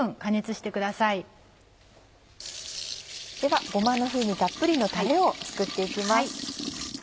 ではごまの風味たっぷりのタレを作って行きます。